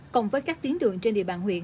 cộng với các tuyến đường trên địa bàn huyện